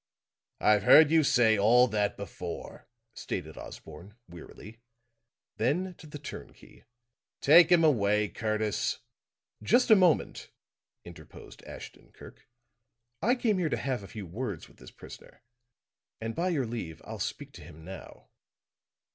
"I've heard you say all that before," stated Osborne, wearily. Then to the turnkey: "Take him away, Curtis." "Just a moment," interposed Ashton Kirk. "I came here to have a few words with this prisoner, and by your leave, I'll speak to him now."